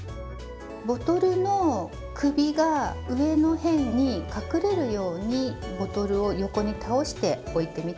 ボトルの首が上の辺に隠れるようにボトルを横に倒して置いてみて下さい。